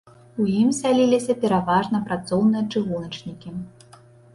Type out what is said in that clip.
У ім сяліліся пераважна працоўныя-чыгуначнікі.